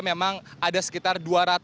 memang ada sekitar dua ratus lima puluh